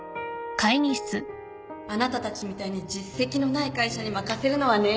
あなたたちみたいに実績のない会社に任せるのはねぇ